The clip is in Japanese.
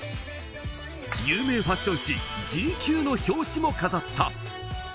有名ファッション誌『ＧＱ』の表紙も飾った。